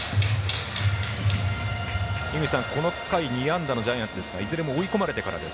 井口さんこの回、２安打のジャイアンツですがいずれも追い込まれてからです。